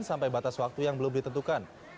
sampai batas waktu yang belum ditentukan